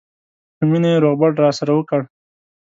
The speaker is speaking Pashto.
په مینه یې روغبړ راسره وکړ.